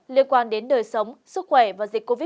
liên quan đến đời sống sức khỏe và dịch covid một mươi